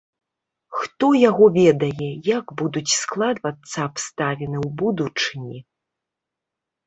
Хто яго ведае, як будуць складвацца абставіны ў будучыні?